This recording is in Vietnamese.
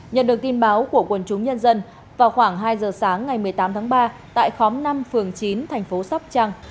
nhận được tin báo của quần chúng nhân dân vào khoảng hai giờ sáng ngày một mươi tám tháng ba tại khóm năm phường chín thành phố sóc trăng